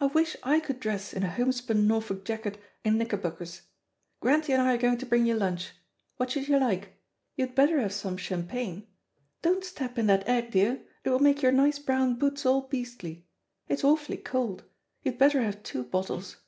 I wish I could dress in a homespun Norfolk jacket and knickerbockers. Grantie and I are going to bring you lunch. What should you like? You'd better have some champagne. Don't step in that egg, dear; it will make your nice brown boots all beastly. It's awfully cold. You'd better have two bottles.